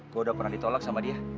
gue udah pernah ditolak sama dia